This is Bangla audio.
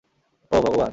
ওহ, ভগবান।